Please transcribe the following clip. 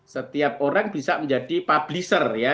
setiap orang bisa menjadi publisher ya